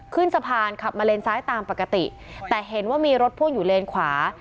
ขึ้นสะพานขับมาเลนซ้ายตามปกติแต่เห็นว่ามีรถพ่วงอยู่เลนขวา